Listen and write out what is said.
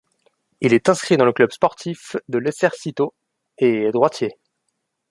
Il est inscrit dans le club sportif de l'Esercito et est droitier.